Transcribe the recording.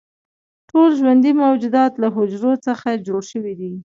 ټول ژوندي موجودات له حجرو څخه جوړ شوي دي